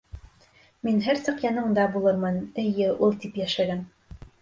«мин һәр саҡ яныңда булырмын», эйе, ул тип йәшәгән.